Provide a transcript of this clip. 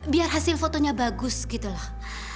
biar hasil fotonya bagus gitu loh